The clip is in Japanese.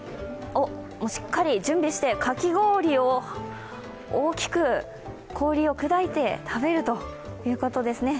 しっかり準備して、かき氷を大きく氷を砕いて食べるということですね。